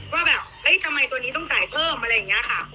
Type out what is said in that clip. ว่าแบบทำไมตัวนี้ต้องจ่ายเพิ่มอะไรอย่างนี้ค่ะ